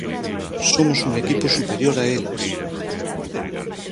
Somos un equipo superior a elas.